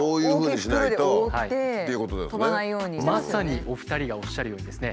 まさにお二人がおっしゃるようにですね